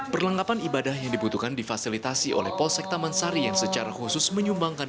perlengkapan ibadah yang dibutuhkan difasilitasi oleh polsek taman sari yang secara khusus menyumbangkan